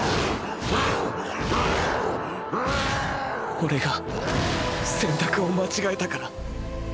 オレが選択を間違えたから。